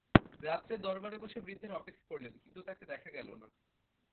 রাত্রে দরবারে বসে বৃদ্ধের অপেক্ষা করলেন কিন্তু তাকে দেখা গেল না।